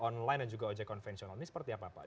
online dan juga ojek konvensional ini seperti apa pak